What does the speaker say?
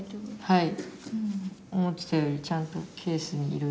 はい。